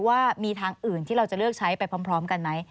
ว่ามีทางอื่นที่เราจะเลือกใช้ไปพร้อมกันไหม